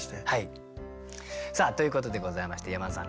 さあということでございまして山田さん